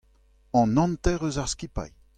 An hanter eus ar skipailh.